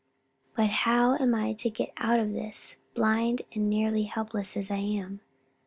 "But how am I to get out of this? blind and nearly helpless as I am?"